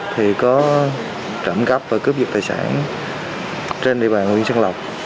thì có trộm cắp và cướp giật tài sản trên địa bàn huyện xuân lộc